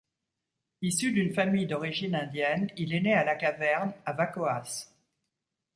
Issu d'une famille d'origine indienne, il est né à la Caverne à Vacoas.